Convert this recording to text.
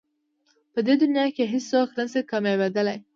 په دې دنیا کې هېڅ څوک نه شي کامیابېدلی.